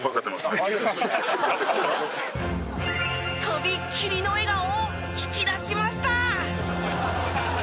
とびっきりの笑顔を引き出しました！